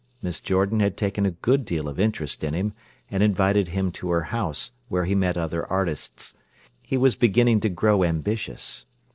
Miss Jordan had taken a good deal of interest in him, and invited him to her house, where he met other artists. He was beginning to grow ambitious.